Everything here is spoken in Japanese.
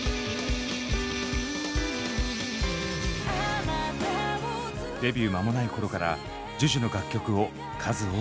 デビュー間もない頃からＪＵＪＵの楽曲を数多く手がけてきました。